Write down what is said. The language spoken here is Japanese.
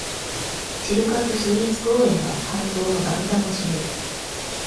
チルカット州立公園が、半島の南端を占める。